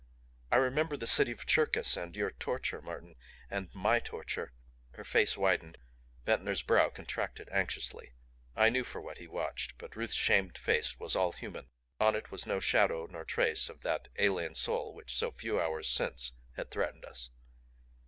"I remember the City of Cherkis and your torture, Martin and my torture " Her face whitened; Ventnor's brow contracted anxiously. I knew for what he watched but Ruth's shamed face was all human; on it was no shadow nor trace of that alien soul which so few hours since had threatened us.